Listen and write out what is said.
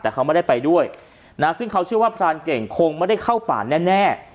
แต่เขาไม่ได้ไปด้วยนะซึ่งเขาเชื่อว่าพรานเก่งคงไม่ได้เข้าป่าแน่